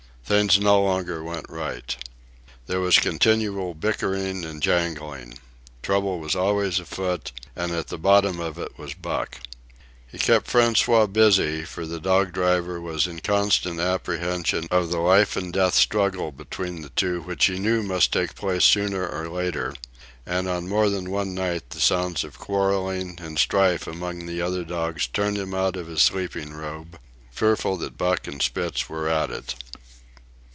Things no longer went right. There was continual bickering and jangling. Trouble was always afoot, and at the bottom of it was Buck. He kept François busy, for the dog driver was in constant apprehension of the life and death struggle between the two which he knew must take place sooner or later; and on more than one night the sounds of quarrelling and strife among the other dogs turned him out of his sleeping robe, fearful that Buck and Spitz were at it.